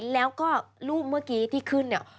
แล้วก็รูปเมื่อกี้ที่ขึ้นเนี่ย